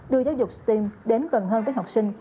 đưa giáo dục stem đến gần hơn với học sinh